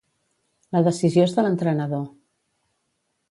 La decisió és de l'entrenador.